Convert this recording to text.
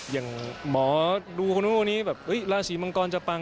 อย่างหมอดูคนนู้นคนนี้แบบราศีมังกรจะปัง